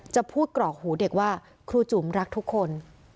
จะพูดกรอกหูเด็กว่าครูจุ๋มรักทุกคน